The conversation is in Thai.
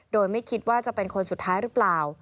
โดยไม่คิดว่าจะเป็นคนสุดท้ายหรือเปล่า